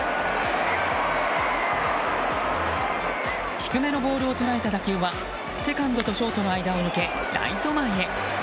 低めのボールを捉えた打球はセカンドとショートの間を抜けライト前へ。